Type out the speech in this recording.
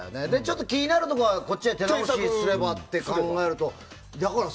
気になるところは手直しすればと考えると。